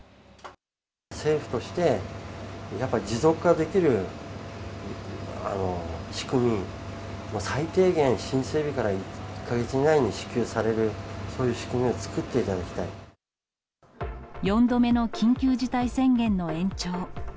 政府として、やっぱり持続化できる仕組み、最低限申請日から１か月以内に支給される、そういう仕組みを作っ４度目の緊急事態宣言の延長。